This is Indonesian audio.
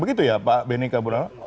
begitu ya pak benika burarman